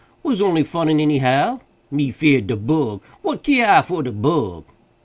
Was only funnin any how. Me feered de bug! what I keer for de bug?"